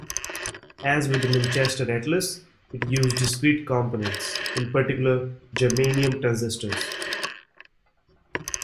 As with the Manchester Atlas, it used discrete components, in particular germanium transistors.